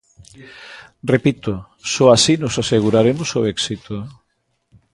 Repito: só así nos aseguraremos o éxito.